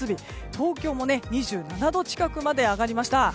東京も２７度近くまで上がりました。